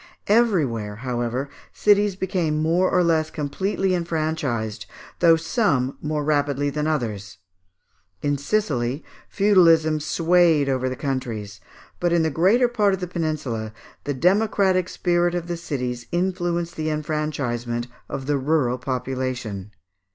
Everywhere, however, cities became more or less completely enfranchised, though some more rapidly than others. In Sicily, feudalism swayed over the countries; but in the greater part of the peninsula, the democratic spirit of the cities influenced the enfranchisement of the rural population.